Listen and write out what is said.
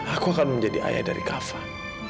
aku akan menjadi ayah dari kak fadil